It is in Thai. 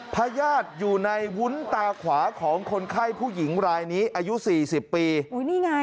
พญาติอยู่ในวุ้นตาขวาของคนไข้ผู้หญิงรายนี้อายุ๔๐ปี